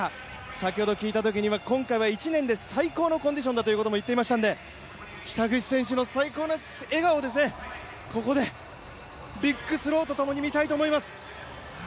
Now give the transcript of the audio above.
先ほど聞いたときには今回は１年で最高のコンディションだということも言っていましたので北口選手の最高の笑顔、ここでビッグスローと共に見たいと思います。